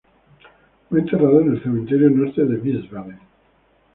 Fue enterrado en el cementerio norte de Wiesbaden.